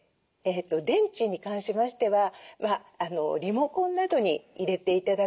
電池に関しましてはリモコンなどに入れて頂くとですね